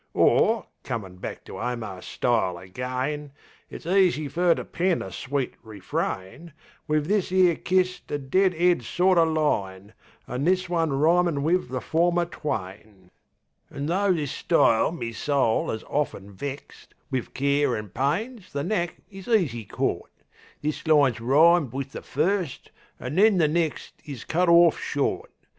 Or, comin' back to Omar's style again, It's easy fer to pen a sweet refrain Wiv this 'ere kist a dead 'ead sort o' line, An' this one rhymin' wiv the former twain. An' though this style me soul 'as often vext, Wiv care an' pains the knack is easy cort; This line's rhymed wiv the first, an' then the next Is cut orf short.